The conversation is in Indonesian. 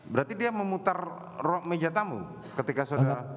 berarti dia memutar meja tamu ketika saudara